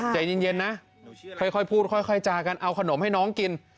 ใจเย็นนะค่อยพูดค่อยจากันเอาขนมให้น้องกิน